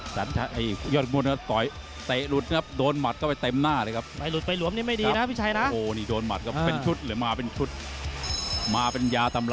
แต่พวกประเภทข้ายมาตรฐานอย่างงี้ไม่ยุบไม่ยนนี่ก็ลำบากนะครับ